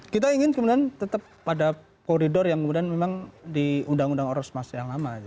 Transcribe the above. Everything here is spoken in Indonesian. kita ingin kemudian tetap pada koridor yang kemudian memang di undang undang ormas yang lama